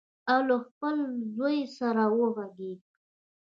او له خپل زوی سره وغږیږي.